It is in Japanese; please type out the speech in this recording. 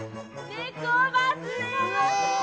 ネコバスだ！